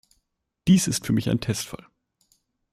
Dies ist für mich ein Testfall.